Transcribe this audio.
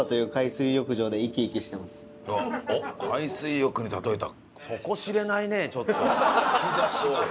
おっ海水浴に例えた。